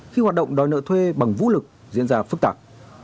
khi hoạt động đòi nợ thuê bằng vũ lực diễn ra phức tạp